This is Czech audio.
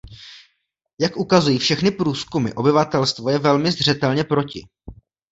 Jak ukazují všechny průzkumy, obyvatelstvo je velmi zřetelně proti.